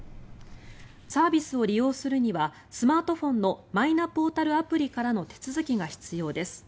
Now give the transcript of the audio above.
サービスを利用するにはスマートフォンのマイナポータルアプリからの手続きが必要です。